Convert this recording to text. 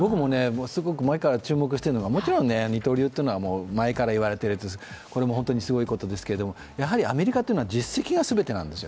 前からすごく注目しているのは、もちろん二刀流というのは前から言われているとおりで、すごいことですけれどもアメリカというのは実績が全てなんです。